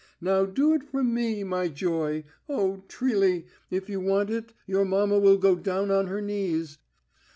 Now do it for me, my joy! Oh, Trilly, if you want it, your mamma will go down on her knees.